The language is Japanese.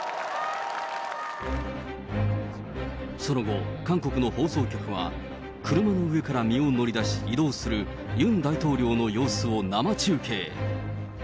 その後、韓国の放送局は、車の上から身を乗り出し、移動するユン大統領の様子を生中継。